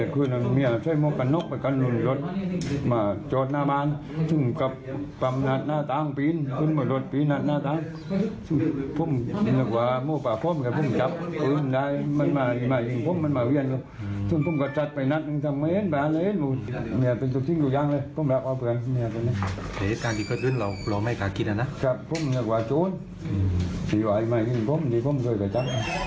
คุณผู้ชมฟังเสียงในกุ้งผู้ต้องหากันหน่อยนะคะ